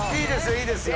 いいですよ。